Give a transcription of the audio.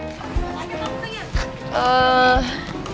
sampai jumpa lagi